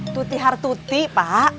tutihar tuti pak